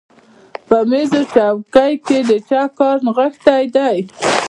په مېز او څوکۍ کې د چا کار نغښتی دی